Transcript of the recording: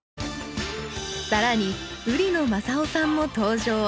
更に売野雅勇さんも登場。